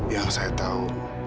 yang saya tahu